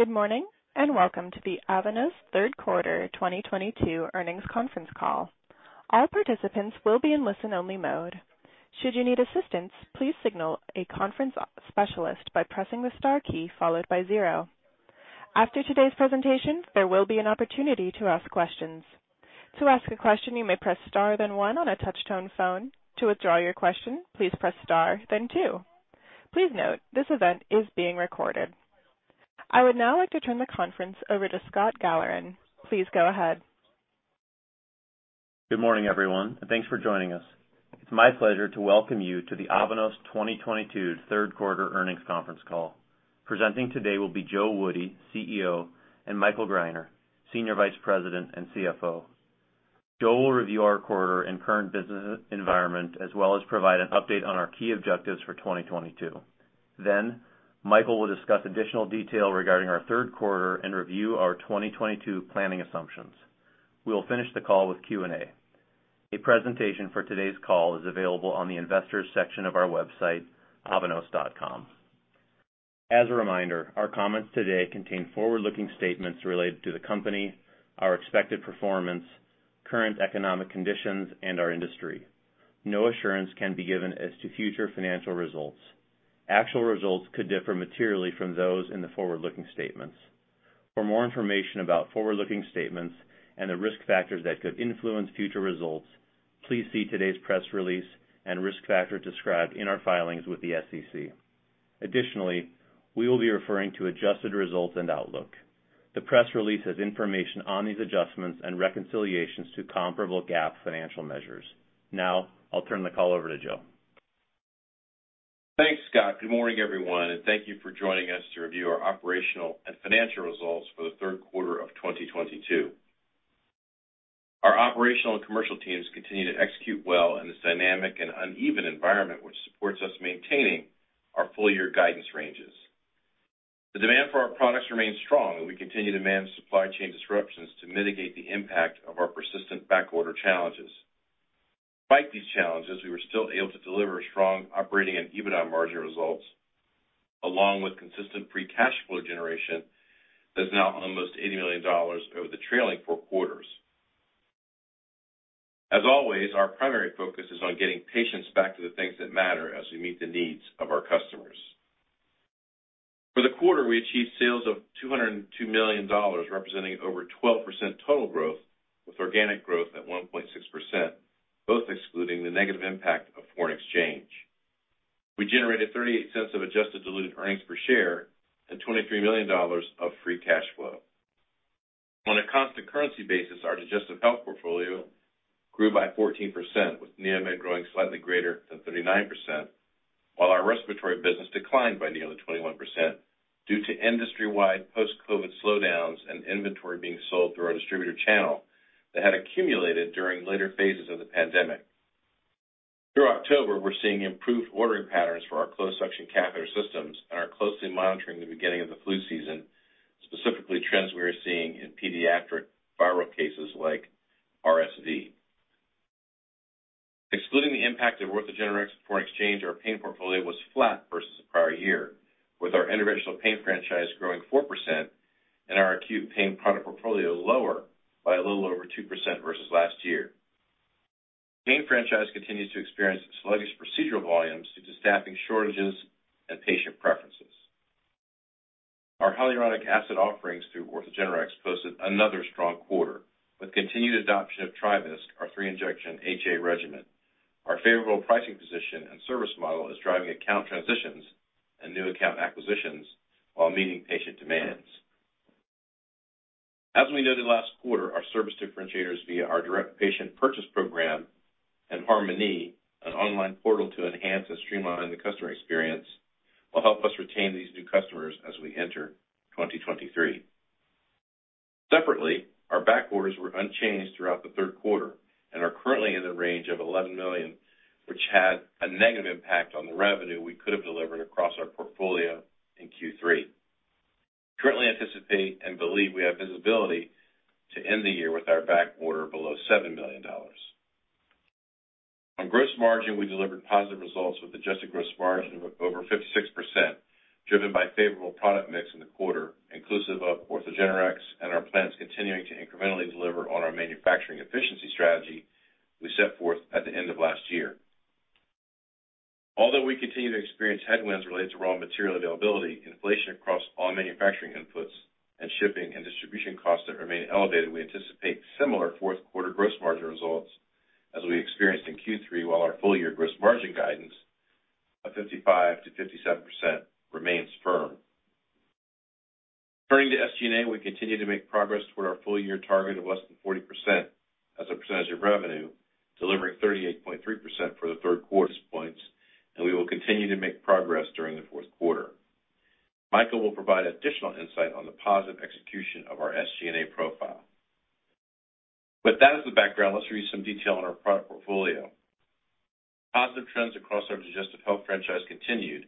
Good morning, and welcome to the Avanos Q3 2022 earnings conference call. All participants will be in listen-only mode. Should you need assistance, please signal a conference specialist by pressing the star key followed by zero. After today's presentation, there will be an opportunity to ask questions. To ask a question, you may press star then one on a touch-tone phone. To withdraw your question, please press star then two. Please note, this event is being recorded. I would now like to turn the conference over to Scott Galovan. Please go ahead. Good morning, everyone, and thanks for joining us. It's my pleasure to welcome you to the Avanos 2022 Q3 earnings conference call. Presenting today will be Joe Woody, CEO, and Michael Greiner, Senior Vice President and CFO. Joe will review our quarter and current business environment, as well as provide an update on our key objectives for 2022. Then Michael will discuss additional detail regarding our Q3 and review our 2022 planning assumptions. We will finish the call with Q&A. A presentation for today's call is available on the investors section of our website, avanos.com. As a reminder, our comments today contain forward-looking statements related to the company, our expected performance, current economic conditions, and our industry. No assurance can be given as to future financial results. Actual results could differ materially from those in the forward-looking statements. For more information about forward-looking statements and the risk factors that could influence future results, please see today's press release and risk factors described in our filings with the SEC. Additionally, we will be referring to adjusted results and outlook. The press release has information on these adjustments and reconciliations to comparable GAAP financial measures. Now, I'll turn the call over to Joe. Thanks, Scott. Good morning, everyone, and thank you for joining us to review our operational and financial results for the Q3 of 2022. Our operational and commercial teams continue to execute well in this dynamic and uneven environment, which supports us maintaining our full-year guidance ranges. The demand for our products remains strong, and we continue to manage supply chain disruptions to mitigate the impact of our persistent backorder challenges. Despite these challenges, we were still able to deliver strong operating and EBITDA margin results, along with consistent free cash flow generation that's now almost $80 million over the trailing 4 quarters. As always, our primary focus is on getting patients back to the things that matter as we meet the needs of our customers. For the quarter, we achieved sales of $202 million, representing over 12% total growth, with organic growth at 1.6%, both excluding the negative impact of foreign exchange. We generated $0.38 adjusted diluted earnings per share and $23 million of free cash flow. On a constant currency basis, our digestive health portfolio grew by 14%, with NEOMED growing slightly greater than 39%, while our respiratory business declined by nearly 21% due to industry-wide post-COVID slowdowns and inventory being sold through our distributor channel that had accumulated during later phases of the pandemic. Through October, we're seeing improved ordering patterns for our closed suction catheter systems and are closely monitoring the beginning of the flu season, specifically trends we are seeing in pediatric viral cases like RSV. Excluding the impact of OrthogenRx foreign exchange, our pain portfolio was flat versus the prior year, with our interventional pain franchise growing 4% and our acute pain product portfolio lower by a little over 2% versus last year. Pain franchise continues to experience sluggish procedural volumes due to staffing shortages and patient preferences. Our hyaluronic acid offerings through OrthogenRx posted another strong quarter, with continued adoption of TriVisc, our three-injection HA regimen. Our favorable pricing position and service model is driving account transitions and new account acquisitions while meeting patient demands. As we noted last quarter, our service differentiators via our direct patient purchase program and Harmony, an online portal to enhance and streamline the customer experience, will help us retain these new customers as we enter 2023. Separately, our backorders were unchanged throughout the Q3 and are currently in the range of $11 million, which had a negative impact on the revenue we could have delivered across our portfolio in Q3. We currently anticipate and believe we have visibility to end the year with our backorder below $7 million. On gross margin, we delivered positive results with adjusted gross margin of over 56%, driven by favorable product mix in the quarter, inclusive of OrthogenRx and our plans continuing to incrementally deliver on our manufacturing efficiency strategy we set forth at the end of last year. Although we continue to experience headwinds related to raw material availability, inflation across all manufacturing inputs and shipping and distribution costs that remain elevated, we anticipate similar Q4 gross margin results as we experienced in Q3, while our full-year gross margin guidance of 55%-57% remains firm. Turning to SG&A, we continue to make progress toward our full-year target of less than 40% as a percentage of revenue, delivering 38.3% for the Q3 points, and we will continue to make progress during the Q4. Michael will provide additional insight on the positive execution of our SG&A profile. With that as the background, let's review some detail on our product portfolio. Positive trends across our digestive health franchise continued,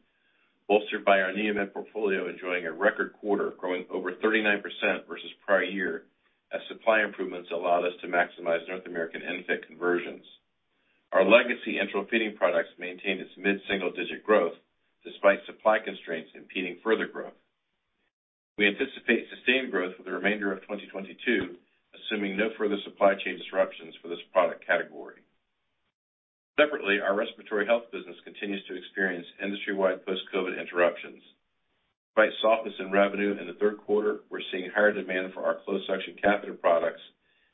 bolstered by our NEOMED portfolio enjoying a record quarter, growing over 39% versus prior year as supply improvements allowed us to maximize North American ENFit conversions. Our legacy enteral feeding products maintained its mid-single-digit growth despite supply constraints impeding further growth. We anticipate sustained growth for the remainder of 2022, assuming no further supply chain disruptions for this product category. Separately, our respiratory health business continues to experience industry-wide post-COVID interruptions. Despite softness in revenue in the Q3, we're seeing higher demand for our closed suction catheter products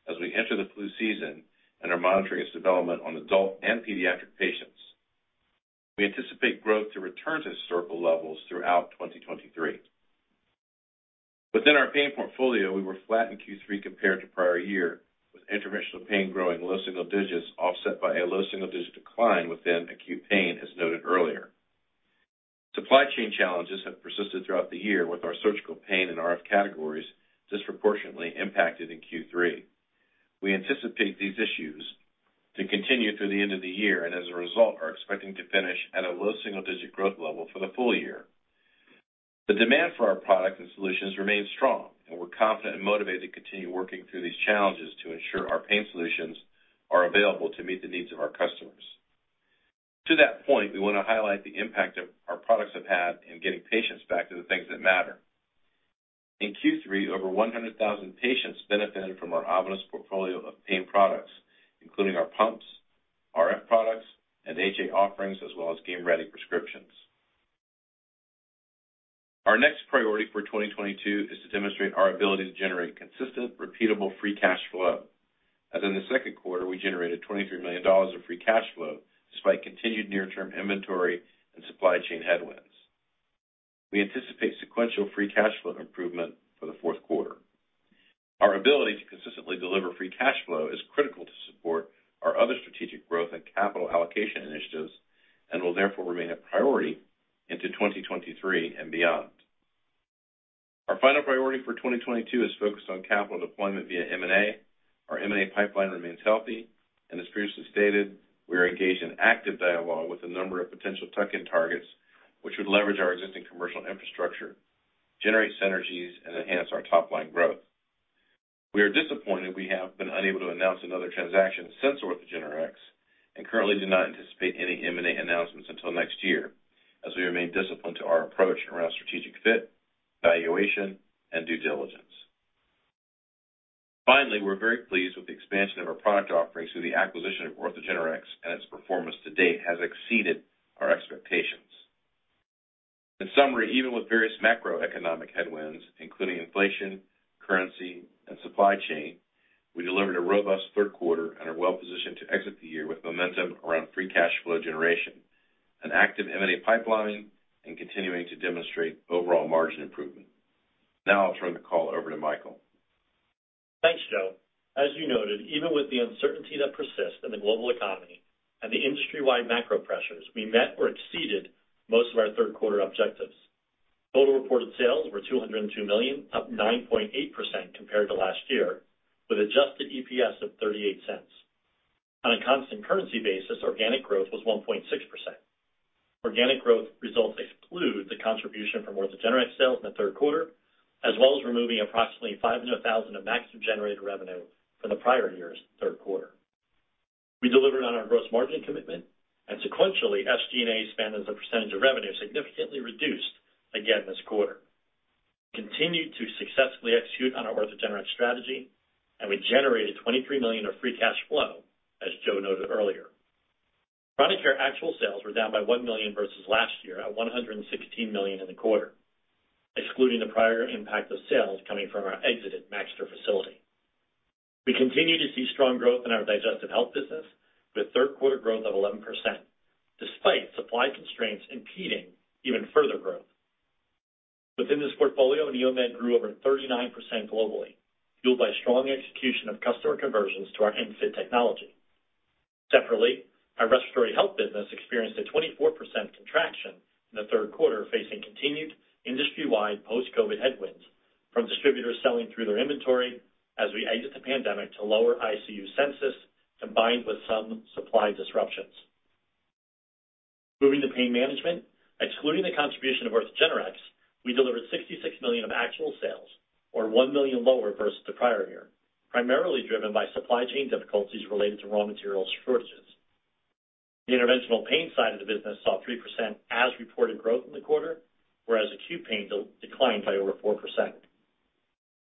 as we enter the flu season and are monitoring its development on adult and pediatric patients. We anticipate growth to return to historical levels throughout 2023. Within our pain portfolio, we were flat in Q3 compared to prior year, with interventional pain growing low single digits offset by a low single-digit decline within acute pain, as noted earlier. Supply chain challenges have persisted throughout the year with our surgical pain and RF categories disproportionately impacted in Q3. We anticipate these issues to continue through the end of the year, and as a result, are expecting to finish at a low single-digit growth level for the full year. The demand for our products and solutions remains strong, and we're confident and motivated to continue working through these challenges to ensure our pain solutions are available to meet the needs of our customers. To that point, we want to highlight the impact of our products have had in getting patients back to the things that matter. In Q3, over 100,000 patients benefited from our Avanos portfolio of pain products, including our pumps, RF products, and HA offerings, as well as Game Ready prescriptions. Our next priority for 2022 is to demonstrate our ability to generate consistent, repeatable free cash flow. As in the Q2, we generated $23 million of free cash flow despite continued near-term inventory and supply chain headwinds. We anticipate sequential free cash flow improvement for the Q4. Our ability to consistently deliver free cash flow is critical to support our other strategic growth and capital allocation initiatives and will therefore remain a priority into 2023 and beyond. Our final priority for 2022 is focused on capital deployment via M&A. Our M&A pipeline remains healthy, and as previously stated, we are engaged in active dialogue with a number of potential tuck-in targets, which would leverage our existing commercial infrastructure, generate synergies, and enhance our top-line growth. We are disappointed we have been unable to announce another transaction since OrthogenRx and currently do not anticipate any M&A announcements until next year, as we remain disciplined to our approach around strategic fit, valuation, and due diligence. Finally, we're very pleased with the expansion of our product offerings through the acquisition of OrthogenRx as performance to date has exceeded our expectations. In summary, even with various macroeconomic headwinds, including inflation, currency, and supply chain, we delivered a robust Q3 and are well positioned to exit the year with momentum around free cash flow generation, an active M&A pipeline, and continuing to demonstrate overall margin improvement. Now I'll turn the call over to Michael. Thanks, Joe. As you noted, even with the uncertainty that persists in the global economy and the industry-wide macro pressures, we met or exceeded most of our Q3 objectives. Total reported sales were $202 million, up 9.8% compared to last year, with adjusted EPS of $0.38. On a constant currency basis, organic growth was 1.6%. Organic growth results exclude the contribution from OrthogenRx sales in the Q3, as well as removing approximately $500,000 of Mexsana generated revenue from the prior year's Q3. We delivered on our gross margin commitment, and sequentially, SG&A spend as a percentage of revenue significantly reduced again this quarter. We continued to successfully execute on our OrthogenRx strategy, and we generated $23 million of free cash flow, as Joe noted earlier. Product Care actual sales were down by $1 million versus last year at $116 million in the quarter, excluding the prior impact of sales coming from our exited Mexico facility. We continue to see strong growth in our digestive health business, with Q3 growth of 11%, despite supply constraints impeding even further growth. Within this portfolio, NEOMED grew over 39% globally, fueled by strong execution of customer conversions to our ENFit technology. Separately, our respiratory health business experienced a 24% contraction in the Q3, facing continued industry-wide post-COVID headwinds from distributors selling through their inventory as we exit the pandemic to lower ICU census, combined with some supply disruptions. Moving to pain management, excluding the contribution of OrthogenRx, we delivered $66 million of actual sales or $1 million lower versus the prior year, primarily driven by supply chain difficulties related to raw material shortages. The interventional pain side of the business saw 3% as reported growth in the quarter, whereas acute pain declined by over 4%.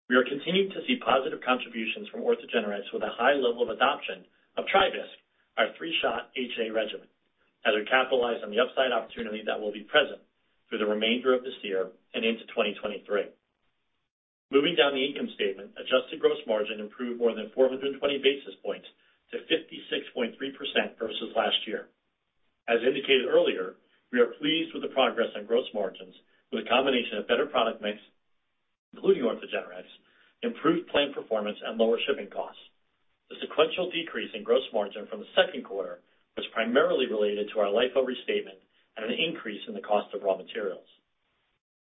We are continuing to see positive contributions from OrthogenRx with a high level of adoption of TriVisc, our three-shot HA regimen, as we capitalize on the upside opportunity that will be present through the remainder of this year and into 2023. Moving down the income statement, adjusted gross margin improved more than 420 basis points to 56.3% versus last year. As indicated earlier, we are pleased with the progress on gross margins with a combination of better product mix, including OrthogenRx, improved plan performance, and lower shipping costs. The sequential decrease in gross margin from the Q2 was primarily related to our LIFO adjustment and an increase in the cost of raw materials.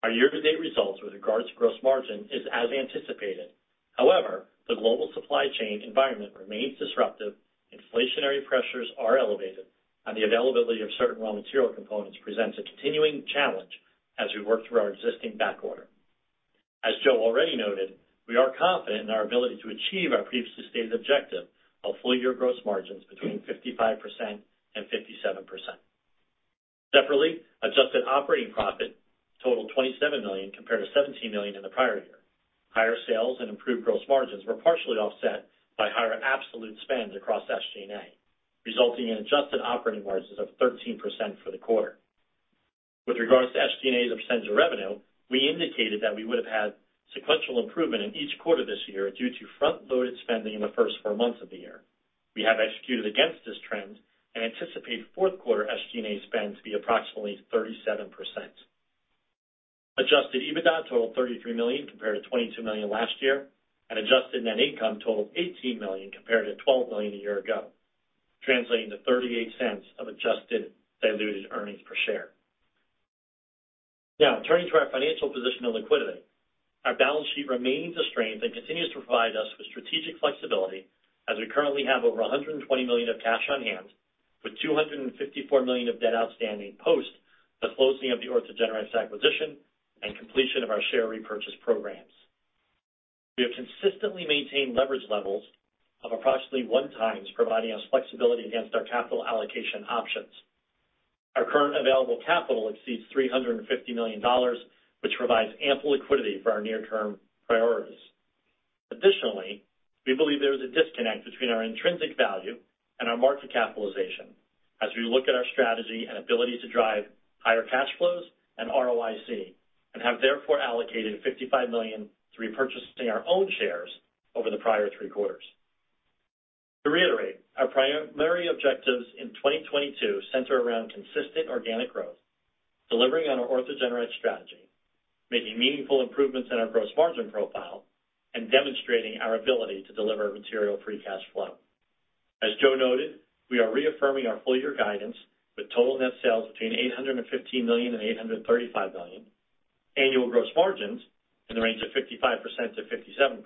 Our year-to-date results with regards to gross margin is as anticipated. However, the global supply chain environment remains disruptive, inflationary pressures are elevated, and the availability of certain raw material components presents a continuing challenge as we work through our existing backorder. As Joe already noted, we are confident in our ability to achieve our previously stated objective of full-year gross margins between 55%-57%. Separately, adjusted operating profit totaled $27 million compared to $17 million in the prior year. Higher sales and improved gross margins were partially offset by higher absolute spend across SG&A, resulting in adjusted operating margins of 13% for the quarter. With regards to SG&A as a percentage of revenue, we indicated that we would have had sequential improvement in each quarter this year due to front-loaded spending in the first four months of the year. We have executed against this trend and anticipate Q4 SG&A spend to be approximately 37%. Adjusted EBITDA totaled $33 million compared to $22 million last year, and adjusted net income totaled $18 million compared to $12 million a year ago, translating to $0.38 of adjusted diluted earnings per share. Now, turning to our financial position and liquidity. Our balance sheet remains a strength and continues to provide us with strategic flexibility as we currently have over $120 million of cash on hand with $254 million of debt outstanding post the closing of the OrthogenRx acquisition and completion of our share repurchase programs. We have consistently maintained leverage levels of approximately 1x, providing us flexibility against our capital allocation options. Our current available capital exceeds $350 million, which provides ample liquidity for our near-term priorities. Additionally, we believe there is a disconnect between our intrinsic value and our market capitalization as we look at our strategy and ability to drive higher cash flows and ROIC, and have therefore allocated $55 million to repurchasing our own shares over the prior three quarters. To reiterate, our primary objectives in 2022 center around consistent organic growth, delivering on our OrthogenRx strategy, making meaningful improvements in our gross margin profile, and demonstrating our ability to deliver material free cash flow. As Joe noted, we are reaffirming our full year guidance with total net sales between $815 million and $835 million, annual gross margins in the range of 55%-57%,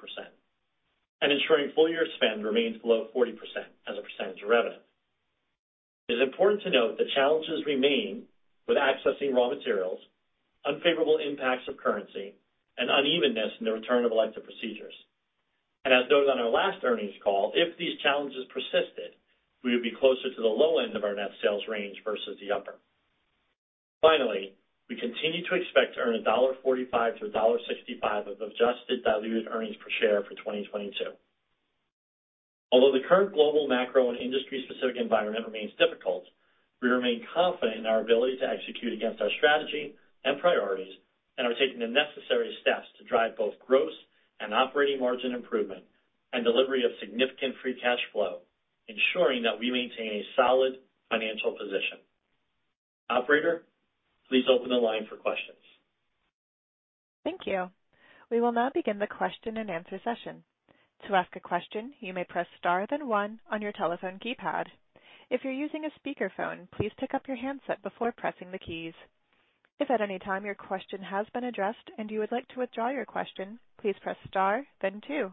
and ensuring full year spend remains below 40% as a percentage of revenue. It is important to note that challenges remain with accessing raw materials, unfavorable impacts of currency, and unevenness in the return of elective procedures. As noted on our last earnings call, if these challenges persisted, we would be closer to the low end of our net sales range versus the upper. Finally, we continue to expect to earn $1.45-$1.65 of adjusted diluted earnings per share for 2022. Although the current global macro and industry-specific environment remains difficult, we remain confident in our ability to execute against our strategy and priorities, and are taking the necessary steps to drive both gross and operating margin improvement and delivery of significant free cash flow, ensuring that we maintain a solid financial position. Operator, please open the line for questions. Thank you. We will now begin the question-and-answer session. To ask a question, you may press star then one on your telephone keypad. If you're using a speakerphone, please pick up your handset before pressing the keys. If at any time your question has been addressed and you would like to withdraw your question, please press star then two.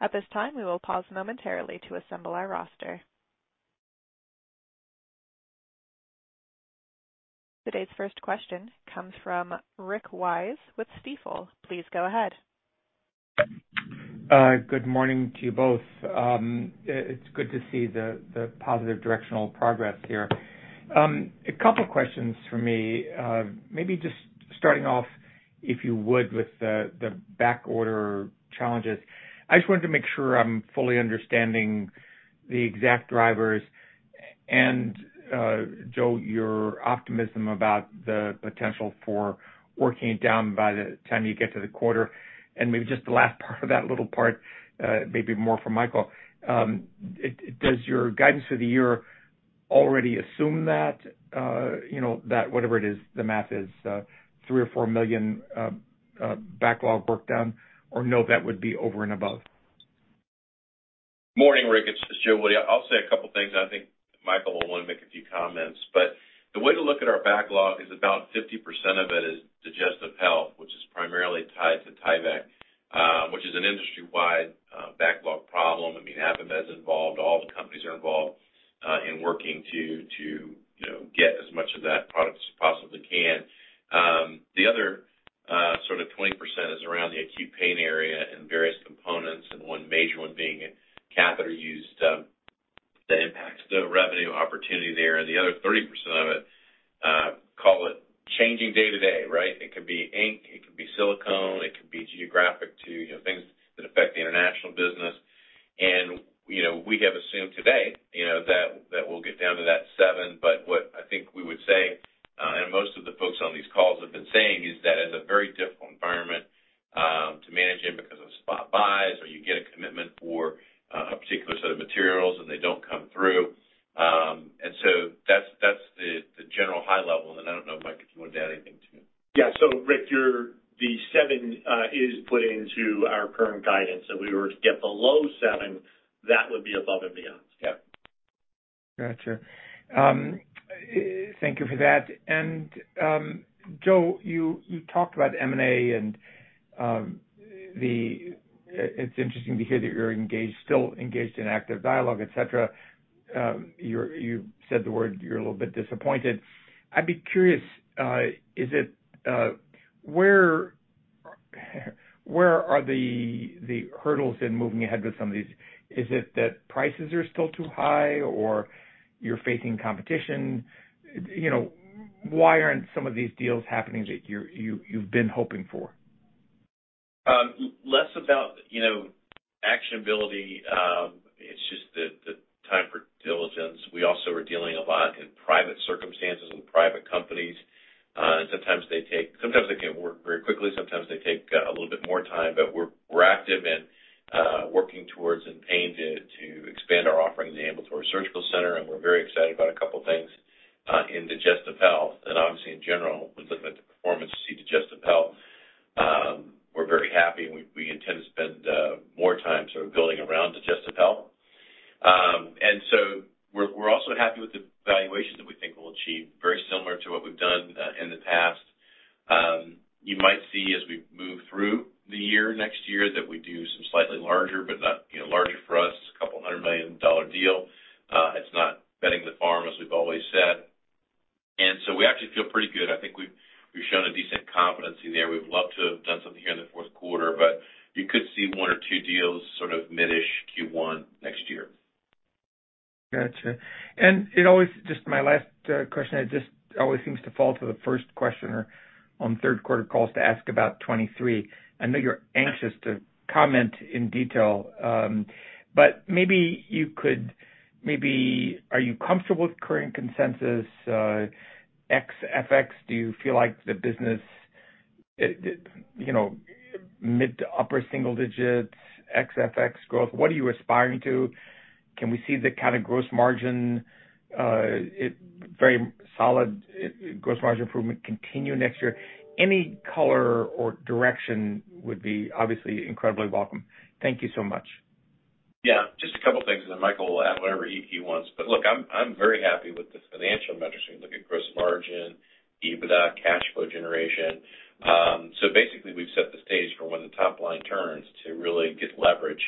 At this time, we will pause momentarily to assemble our roster. Today's first question comes from Rick Wise with Stifel. Please go ahead. Good morning to you both. It's good to see the positive directional progress here. A couple of questions from me. Maybe just starting off, if you would, with the backorder challenges. I just wanted to make sure I'm fully understanding the exact drivers and, Joe, your optimism about the potential for working it down by the time you get to the quarter, and maybe just the last part of that little part, maybe more for Michael. Does your guidance for the year already assume that, you know, that whatever it is, the math is $3 million-$4 million backlog breakdown, or no, that would be over and above? Morning, Rick. It's Joe Woody. I'll say a couple of things, and I think Michael will wanna make a few comments. The way to look at our backlog is about 50% of it is digestive health, which is primarily tied to CORFLO, which is an industry-wide backlog problem. I mean, AbbVie is involved, all the companies are involved, in working to, you know, get as much of that product as possibly can. The other, sort of 20% is around the acute pain area and various components, and one major one being a catheter used, that impacts the revenue opportunity there. The other 30% of it, call it changing day to day, right? It could be ink, it could be silicone, it could be geographic to, you know, things that affect the international business. You know, we have assumed today, actionability. It's just the time for diligence. We also are dealing a lot in private circumstances and private companies. Sometimes they can work very quickly, sometimes they take a little bit more time. We're active and working towards an aim to expand our offering in the ambulatory surgical center, and we're very excited about a couple things in digestive health. Obviously, in general, when we look at the performance, see digestive health, we're very happy, and we intend to spend more time sort of building around digestive health. We're also happy with the valuation that we think we'll achieve, very similar to what we've done in the past. You might see as we move through the year next year that we do some slightly larger, but not, you know, larger for us, $200 million deal. It's not betting the farm, as we've always said. We actually feel pretty good. I think we've shown a decent competency there. We would love to have done something here in the Q4, but you could see one or two deals sort of mid-ish Q1 next year. Got you. Just my last question, it just always seems to fall to the first questioner on Q3 calls to ask about 2023. I know you're anxious to comment in detail, but maybe you could. Are you comfortable with current consensus ex FX? Do you feel like the business, you know, mid- to upper-single-digit ex FX growth? What are you aspiring to? Can we see the kind of gross margin, very solid gross margin improvement continue next year? Any color or direction would be obviously incredibly welcome. Thank you so much. Yeah. Just a couple things, and then Michael will add whatever he wants. Look, I'm very happy with the financial metrics. We look at gross margin, EBITDA, cash flow generation. Basically, we've set the stage for when the top line turns to really get leverage.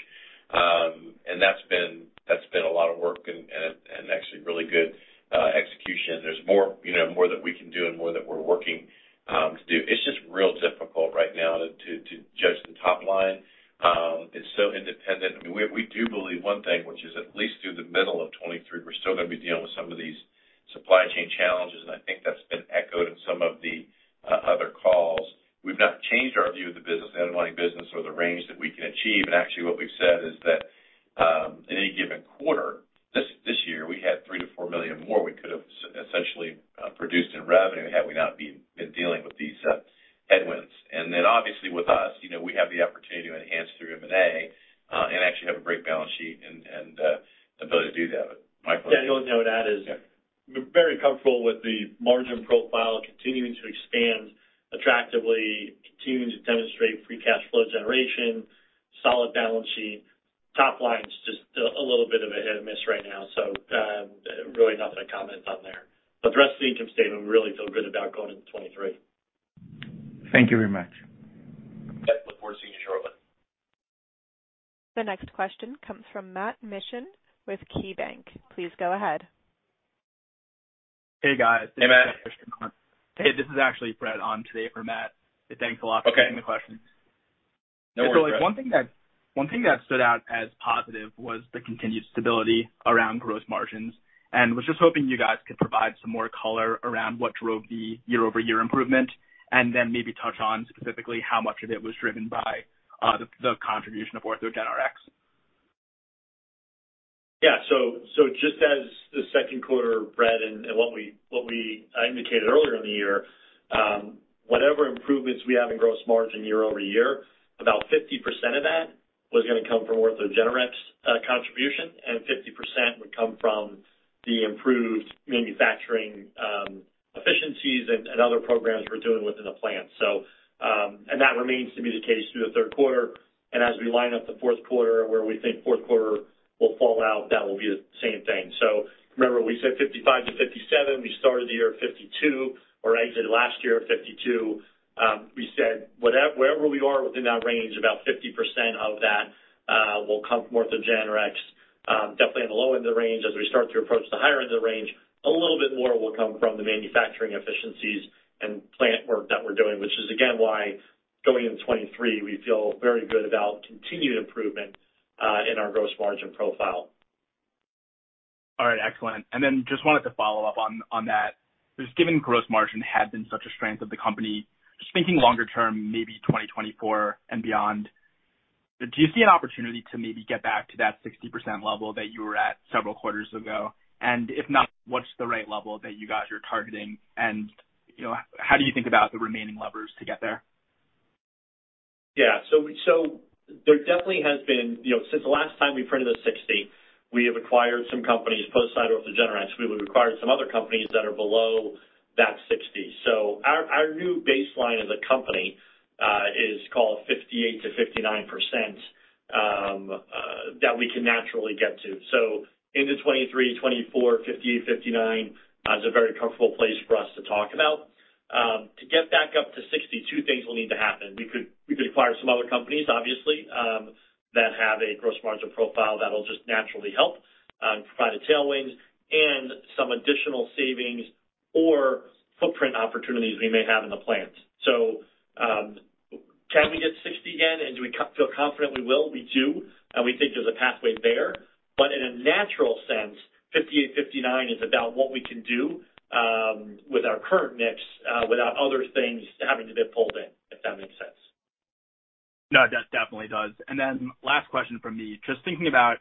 That's been a lot of work and actually really good execution. There's more, you know, more that we can do and more that we're working to do. It's just real difficult right now to judge the top line. It's so independent. I mean, we do believe one thing, which is at least through the middle of 2023, we're still gonna be dealing with some of these supply chain challenges. I think that's been echoed in some of the other calls. We've not changed our view of the business, the underlying business or the range that we can achieve. What we've said is that, in any given quarter this year, we had $3 million-$4 million more we could have essentially produced in revenue had we not been dealing with these headwinds. Obviously with us, you know, we have the opportunity to enhance through M&A, and actually have a great balance sheet and the ability to do that. Michael. Yeah. The only thing I would add is. Yeah. We're very comfortable with the margin profile continuing to expand attractively, continuing to demonstrate free cash flow generation, solid balance sheet. Top line's just a little bit of a hit or miss right now, so, really nothing to comment on there. The rest of the income statement, we really feel good about going into 2023. Thank you very much. Look forward to seeing you shortly. The next question comes from Matt Mishan with KeyBanc. Please go ahead. Hey, guys. Hey, Matt. Hey, this is actually Fred on today for Matt. Thanks a lot for Okay. Taking the questions. No worries, Fred. Just one thing that stood out as positive was the continued stability around gross margins, and was just hoping you guys could provide some more color around what drove the year-over-year improvement, and then maybe touch on specifically how much of it was driven by the contribution of OrthogenRx. Yeah. Just as the Q2, Fred, and what we indicated earlier in the year, whatever improvements we have in gross margin year-over-year, about 50% of that was gonna come from OrthogenRx contribution, and 50% would come from the improved manufacturing efficiencies and other programs we're doing within the plant. That remains to be the case through the Q3. As we line up the Q4 where we think Q4 will fall out, that will be the same thing. Remember we said 55%-57%. We started the year at 52%, or exited last year at 52%. We said wherever we are within that range, about 50% of that will come from OrthogenRx, definitely on the low end of the range. As we start to approach the higher end of the range, a little bit more will come from the manufacturing efficiencies and plant work that we're doing, which is again, why going into 2023, we feel very good about continued improvement in our gross margin profile. All right, excellent. Just wanted to follow up on that. Just given gross margin had been such a strength of the company, just thinking longer term, maybe 2024 and beyond, do you see an opportunity to maybe get back to that 60% level that you were at several quarters ago? If not, what's the right level that you guys are targeting? You know, how do you think about the remaining levers to get there? Yeah. There definitely has been, you know, since the last time we printed a 60%, we have acquired some companies post-acquisition of OrthogenRx. We would acquire some other companies that are below that 60%. Our new baseline as a company is call it 58%-59% that we can naturally get to. Into 2023, 2024, 58%-59% is a very comfortable place for us to talk about. To get back up to 60%, two things will need to happen. We could acquire some other companies, obviously, that have a gross margin profile that'll just naturally help provide a tailwind and some additional savings or footprint opportunities we may have in the plants. Can we hit 60% again, and do we feel confident we will? We do, and we think there's a pathway there. In a natural sense, 58%-59% is about what we can do with our current mix, without other things having to get pulled in, if that makes sense. No, that definitely does. Last question from me, just thinking about,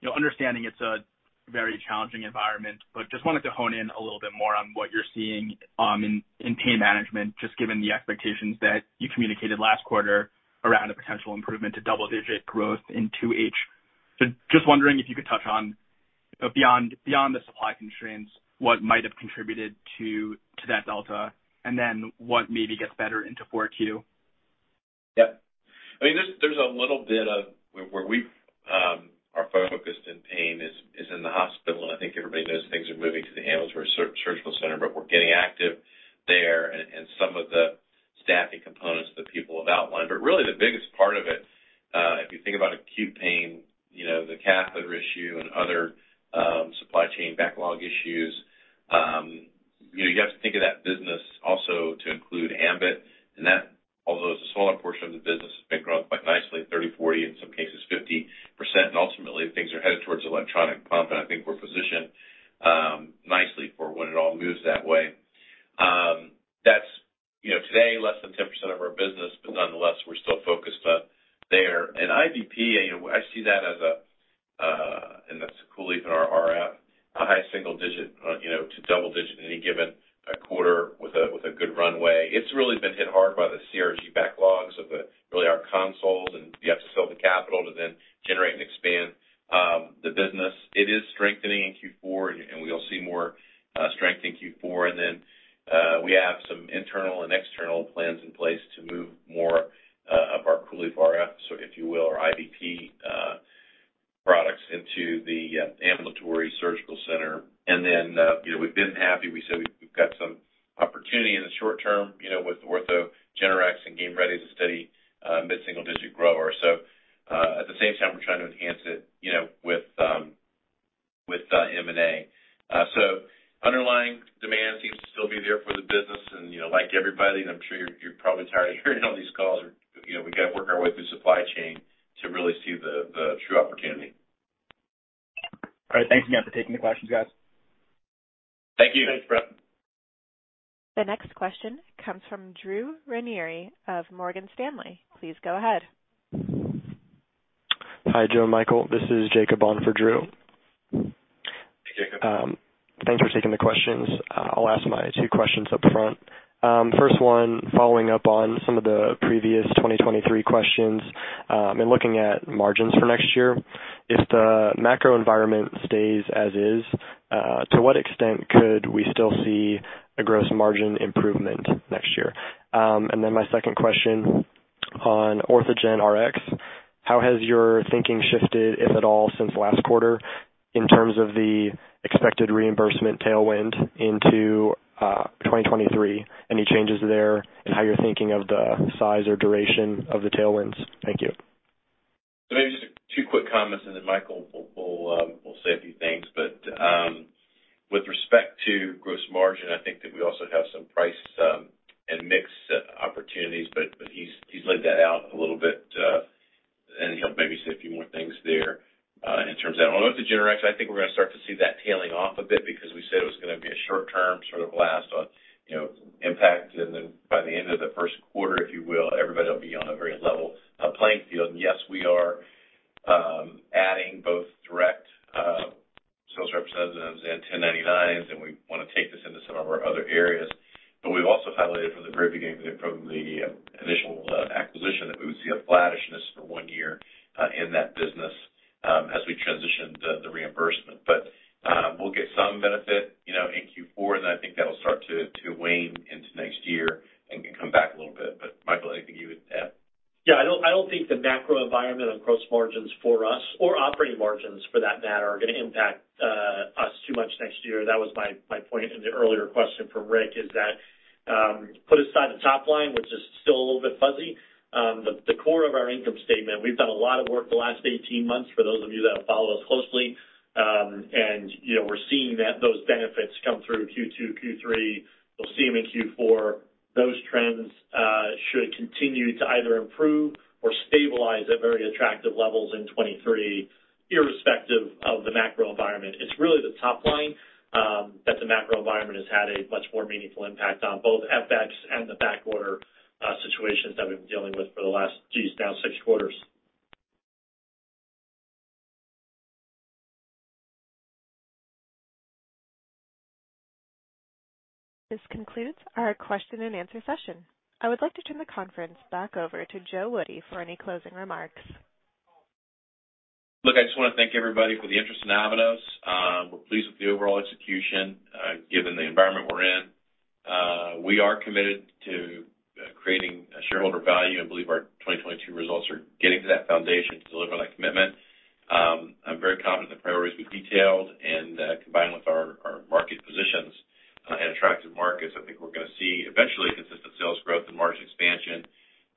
you know, understanding it's a very challenging environment, but just wanted to hone in a little bit more on what you're seeing in pain management, just given the expectations that you communicated last quarter around a potential improvement to double-digit growth in 2H. Just wondering if you could touch on, you know, beyond the supply constraints, what might have contributed to that delta, and then what maybe gets better into 4Q. Yep. I mean, there's a little bit of where we are focused and pain is in the hospital, and I think everybody knows things are moving to the ambulatory surgical center, but we're getting active there and some of the staffing components that people have outlined. Really the biggest part of it, if you think about acute pain, you know, the catheter issue and other supply chain backlog issues, you know, you have to think of that business also to include ambIT. That, although it's a smaller portion of the business, has been growing quite nicely, 30%, 40%, in some cases 50%. Ultimately, things are headed towards electronic pump, and I think we're positioned nicely for when it all moves that way. That's, you know, today less than 10% of our business, but nonetheless, we're still focused up there. IPT, you know, I see that as a, and that's COOLIEF and our RF, a high single digit, you know, to double digit in any given, quarter with a good runway. It's really been hit hard by the C-arm backlogs, really our consoles, and you have to sell the capital to then generate and expand the business. It is strengthening in Q4, and we'll see more strength in Q4. Then we have some internal and external plans in place to move more of our COOLIEF RF, so if you will, our IPT products into the ambulatory surgical center. Then, you know, we've been happy. We said we've got some opportunity in the short term, you know, with OrthogenRx and Game Ready to drive mid-single-digit growth. At the same time, we're trying to enhance it, you know, with M&A. Underlying demand seems to still be there for the business and, you know, like everybody, and I'm sure you're probably tired of hearing all these calls, but, you know, we gotta work our way through supply chain to really see the true opportunity. All right. Thanks again for taking the questions, guys. Thank you. Thanks, Fred. The next question comes from Drew Ranieri of Morgan Stanley. Please go ahead. Hi, Joe and Michael. This is Jakob on for Drew. Hey, Jakob. Thanks for taking the questions. I'll ask my two questions up front. First one, following up on some of the previous 2023 questions, in looking at margins for next year, if the macro environment stays as is, to what extent could we still see a gross margin improvement next year? My second question on OrthogenRx. How has your thinking shifted, if at all, since last quarter in terms of the expected reimbursement tailwind into 2023? Any changes there in how you're thinking of the size or duration of the tailwinds? Thank you. Maybe just two quick comments, and then Michael will say a few things. With respect to gross margin, I think that we also have some price and mix opportunities, but he's laid that out a little bit, and he'll maybe say a few more things there. In terms of OrthogenRx, I think we're gonna start to see that tailing off a bit because we said it was gonna be a short term sort of blast on, you know, impact. By the end of the Q1, if you will, everybody will be on a very level playing field. Yes, we are adding both direct sales representatives and 1099s, and we wanna take this into some of our other areas. We've also highlighted from the very beginning that from the initial acquisition, that we would see a flatness for one year in that business as we transition the reimbursement. We'll get some benefit, you know, in Q4, and I think that'll start to wane into next year and can come back a little bit. Michael, anything you would add? Yeah. I don't think the macro environment of gross margins for us or operating margins for that matter are gonna impact us too much next year. That was my point in the earlier question from Rick, is that put aside the top line, which is still a little bit fuzzy. The core of our income statement, we've done a lot of work the last 18 months, for those of you that have followed us closely. You know, we're seeing that those benefits come through Q2, Q3. You'll see them in Q4. Those trends should continue to either improve or stabilize at very attractive levels in 2023, irrespective of the macro environment. It's really the top line that the macro environment has had a much more meaningful impact on both FX and the backorder situations that we've been dealing with for the last, geez, now 6 quarters. This concludes our question and answer session. I would like to turn the conference back over to Joe Woody for any closing remarks. Look, I just wanna thank everybody for the interest in Avanos. We're pleased with the overall execution, given the environment we're in. We are committed to creating shareholder value and believe our 2022 results are getting to that foundation to deliver on that commitment. I'm very confident the priorities we've detailed and combined with our market positions and attractive markets. I think we're gonna see eventually consistent sales growth and margin expansion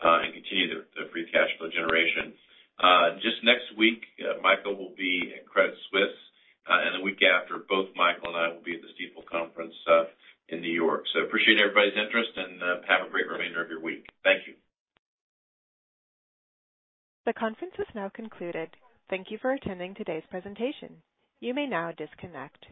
and continue the free cash flow generation. Just next week, Michael will be in Credit Suisse and the week after both Michael and I will be at the Stifel conference in New York. Appreciate everybody's interest and have a great remainder of your week. Thank you. The conference has now concluded. Thank you for attending today's presentation. You may now disconnect.